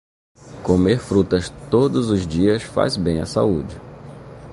Comer frutas todos os dias faz bem à saúde.